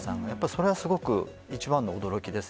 それはすごく一番の驚きです。